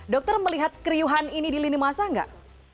dokter melihat keriuhan ini di lini masa nggak